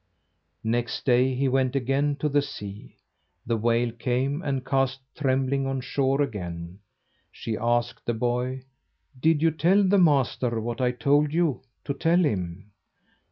Next day he went again to the sea. The whale came and cast Trembling on shore again. She asked the boy "Did you tell the master what I told you to tell him?"